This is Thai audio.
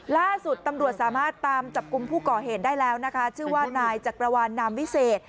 ล่าสุดตำรวจสามารถตามจับกลุ่มผู้ก่อเหตุได้แล้วนะคะชื่อว่านายจักรวาลนามวิเศษ